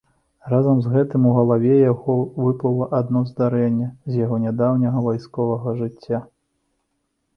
Разам з гэтым у галаве яго выплыла адно здарэнне з яго нядаўняга вайсковага жыцця.